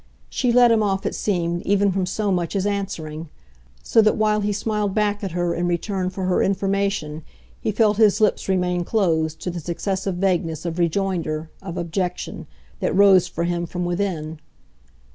She let him off, it seemed, even from so much as answering; so that while he smiled back at her in return for her information he felt his lips remain closed to the successive vaguenesses of rejoinder, of objection, that rose for him from within.